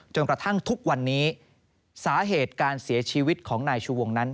กระทั่งทุกวันนี้สาเหตุการเสียชีวิตของนายชูวงนั้น